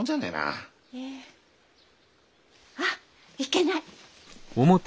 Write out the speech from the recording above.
あっいけない。